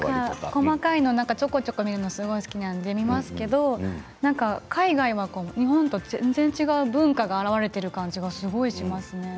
細かいのちょこちょこ見るのが好きなんで見ますけど海外は日本と全然違う文化が表れている感じがすごいしますね。